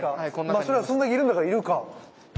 まあそりゃあそんだけいるんだからいるか。